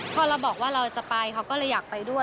พอเราบอกว่าเราจะไปเขาก็เลยอยากไปด้วย